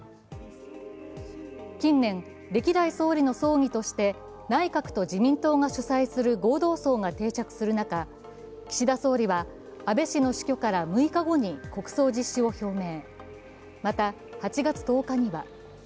近年、歴代総理の葬儀として内閣と自民党が主催する合同葬が定着する中岸田総理は安倍氏の死去から６日後に国葬実施を表明。